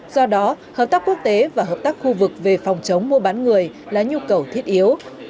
do đó hợp tác quốc tế và hợp tác khu vực về phòng chống mua bán người là nhu cầu thiết yếu